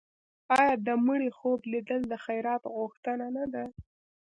آیا د مړي خوب لیدل د خیرات غوښتنه نه ده؟